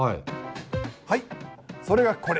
はいそれがこれ。